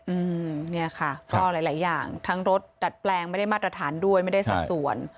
อืมเนี่ยค่ะก็หลายหลายอย่างทั้งรถดัดแปลงไม่ได้มาตรฐานด้วยไม่ได้สัดส่วน